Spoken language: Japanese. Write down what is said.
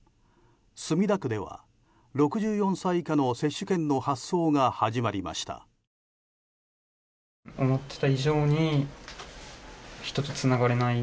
墨田区では、６４歳以下の接種券の発送が始まりました。